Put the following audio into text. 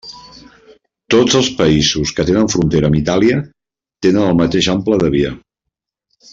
Tots els països que tenen frontera amb Itàlia tenen el mateix ample de via.